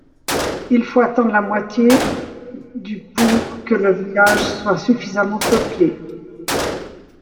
Il faut attendre la moitié du pour que le village soit suffisamment peuplé.